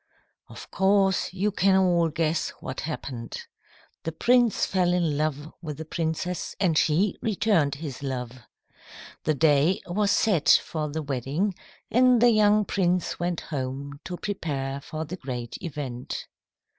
"Of course, you can all guess what happened. The prince fell in love with the princess, and she returned his love. The day was set for the wedding, and the young prince went home to prepare for the great event.